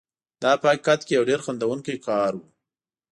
دا په حقیقت کې یو ډېر خندوونکی کار و.